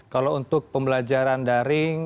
kalau untuk pembelajaran daring